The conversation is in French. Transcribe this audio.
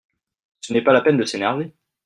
Ce n'est pas la peine de s'énerver.